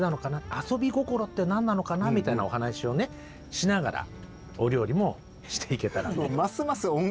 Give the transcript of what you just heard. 「アソビゴコロ」って何なのかなみたいなお話をねしながらお料理もしていけたらと。